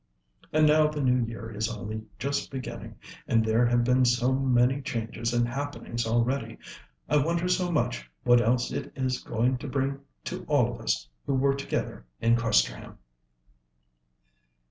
"And now the New Year is only just beginning, and there have been so many changes and happenings already. I wonder so much what else it is going to bring to all of us who were together in Questerham."